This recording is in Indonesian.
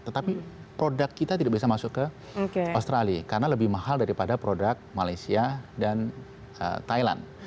tetapi produk kita tidak bisa masuk ke australia karena lebih mahal daripada produk malaysia dan thailand